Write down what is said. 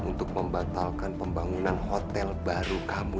untuk membatalkan pembangunan hotel baru kamu